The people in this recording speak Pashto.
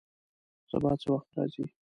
سبا څه وخت راځئ؟